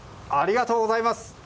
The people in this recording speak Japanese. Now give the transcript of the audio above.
ありがとうございます！